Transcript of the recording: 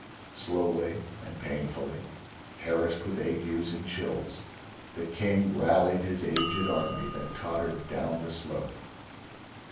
Slowly and painfully, harassed with agues and chills, the King rallied his aged army that tottered down the slope.